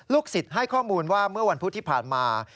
สิทธิ์ให้ข้อมูลว่าเมื่อวันพุธที่ผ่านมา